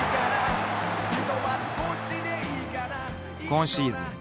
［今シーズン